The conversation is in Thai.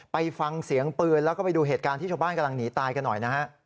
ไปฟังเสียงปืนกันดูเหตุการณ์ที่ชาวบ้านกำลังหนีตาย